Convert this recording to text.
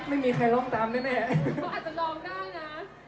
มันหุ่นยวงนะผมว่า